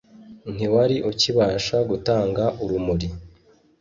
ntiwari ukibasha gutanga urumuri;